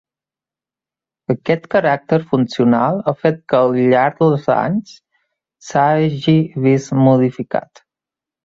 Aquest caràcter funcional ha fet que al llarg dels anys s'hagi vist modificat.